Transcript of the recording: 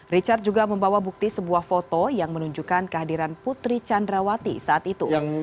richard juga membawa bukti sebuah foto yang menunjukkan kehadiran putri candrawasya